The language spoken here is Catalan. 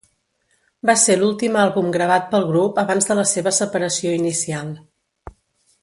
Va ser l'últim àlbum gravat pel grup abans de la seva separació inicial.